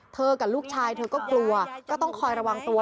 กับลูกชายเธอก็กลัวก็ต้องคอยระวังตัว